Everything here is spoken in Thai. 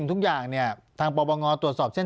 ปากกับภาคภูมิ